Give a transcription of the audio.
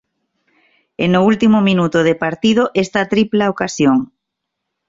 E no último minuto de partido esta tripla ocasión.